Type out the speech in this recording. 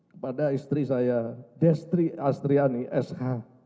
kepada istri saya destri astriani sh